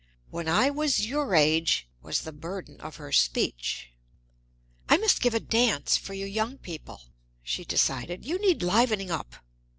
"When I was your age !" was the burden of her speech. "I must give a dance for you young people," she decided. "You need livening up."